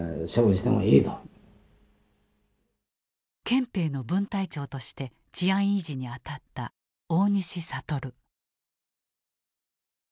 憲兵の分隊長として治安維持に当たった大西覚。